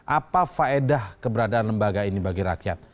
apa faedah keberadaan lembaga ini bagi rakyat